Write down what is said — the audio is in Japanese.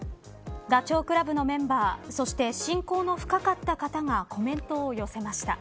ダチョウ倶楽部のメンバーそして親交の深かった方がコメントを寄せました。